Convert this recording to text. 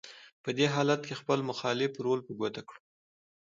په دې حالت کې خپل مخالف رول په ګوته کړو: